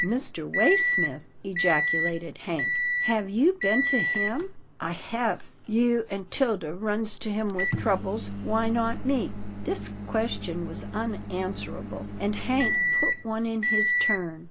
" Mr. Waysmith," ejaculated Hank, " have you been to him ?"" I hev — you an' 'Tilda runs to him with troubles, why not me ?" This question was unanswerable, and Hank put one in his turn.